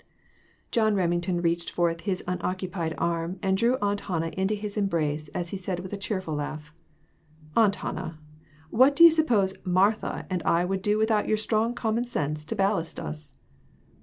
John Remington reached forth his unoccupied arm and drew Aunt Hannah into his embrace as he said with a cheerful laugh "Aunt Hannah, what do you suppose 'Martha' and I would do without your strong common sense to ballast us